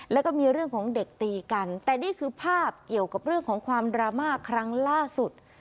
แล้วก็มีเรื่องของเด็กตีกันแต่นี่คือภาพเกี่ยวกับเรื่องของความดราม่าครั้งล่าสุด